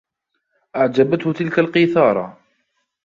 أعجبته تلك القيثارة.